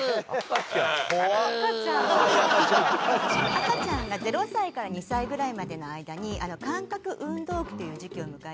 赤ちゃんが０歳から２歳ぐらいまでの間に感覚運動期という時期を迎えていまして。